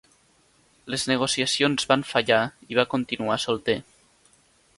Les negociacions van fallar i va continuar solter.